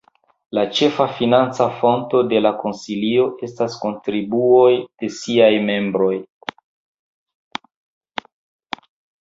La ĉefa financa fonto de la Konsilio estas kontribuoj de siaj membroj.